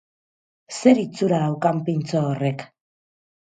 Zer itxura daukan pintxo horrek!